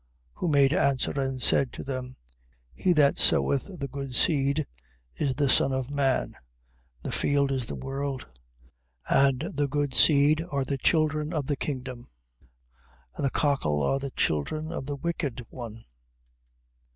13:37. Who made answer and said to them: He that soweth the good seed is the Son of man. 13:38. And the field is the world. And the good seed are the children of the kingdom. And the cockle are the children of the wicked one.